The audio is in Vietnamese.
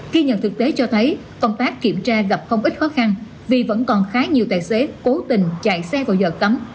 khi nhận thực tế cho thấy công tác kiểm tra gặp không ít khó khăn vì vẫn còn khá nhiều tài xế cố tình chạy xe vào giờ cấm